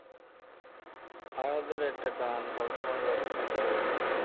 আয়াদের একটা কান সবসময় দরজার সাথেই লেগে থাকে!